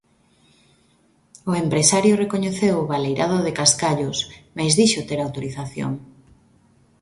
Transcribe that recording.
O empresario recoñeceu o baleirado de cascallos, mais dixo ter autorización.